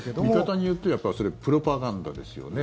見方によってはそれはプロパガンダですよね。